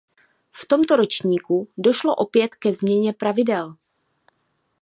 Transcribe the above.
V tomto ročníku došlo opět ke změně pravidel.